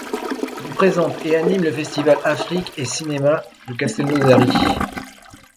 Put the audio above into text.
Il présente et anime le festival Afrique et Cinéma de Castelnaudary.